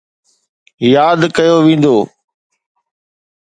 ياد ڪيو ويندو.